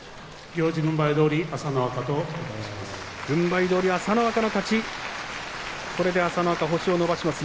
行司軍配どおり朝乃若の勝ちです。